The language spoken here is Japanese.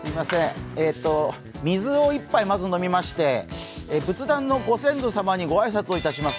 水を１杯まず飲みまして仏壇のご先祖様にご挨拶をいたします。